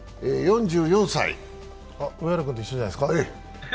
上原君と一緒じゃないですか。